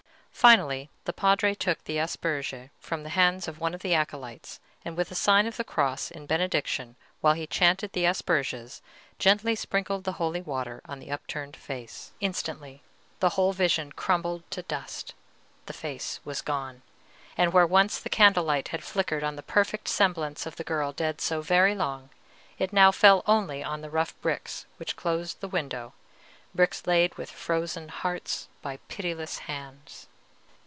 Finally, the Padre took the asperge from the hands of one of the acolytes, and with a sign of the cross in benediction while he chanted the Asperges, gently sprinkled the holy water on the upturned face. Instantly the whole vision crumbled to dust, the face was gone, and where once the candlelight had flickered on the perfect semblance of the girl dead so very long, it now fell only on the rough bricks which closed the window, bricks laid with frozen hearts by pitiless hands.